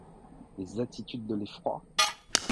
Les attitudes de l’effroi ?